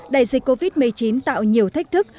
đại dịch covid một mươi chín tạo nhiều thách thức